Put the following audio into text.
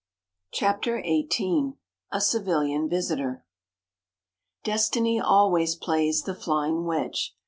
CHAPTER XVIII A CIVILIAN VISITOR Destiny always plays the flying wedge.